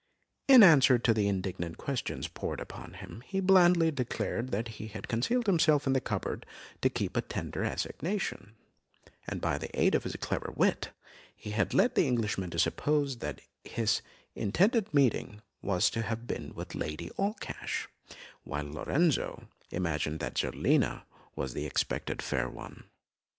In answer to the indignant questions poured upon him, he blandly declared that he had concealed himself in the cupboard to keep a tender assignation; and by the aid of his clever wit, he led the Englishman to suppose that his intended meeting was to have been with Lady Allcash, whilst Lorenzo imagined that Zerlina was the expected fair one.